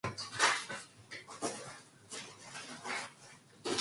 여자는 그래서 사귀기 가 어렵다는 것이야.